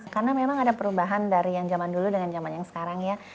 karena memang ada perubahan dari yang zaman dulu dengan zaman yang sekarang ya